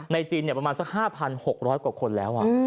จีนประมาณสัก๕๖๐๐กว่าคนแล้ว